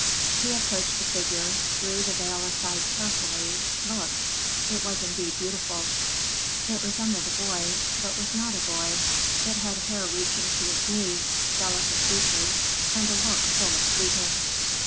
"He approached the figure, drew the veil aside carefully, looked; it was indeed beautiful. It resembled a boy, but was not a boy. It had hair reaching to its knees, delicate features, and a look full of sweetness.